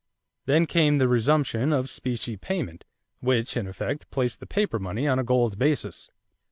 Then came the resumption of specie payment, which, in effect, placed the paper money on a gold basis.